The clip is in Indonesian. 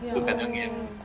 bukan yang yang mudah